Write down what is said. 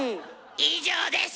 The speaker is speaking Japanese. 以上です。